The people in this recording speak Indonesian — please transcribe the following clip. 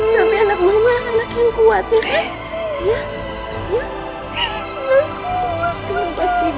tapi anak mama anak yang kuatnya kan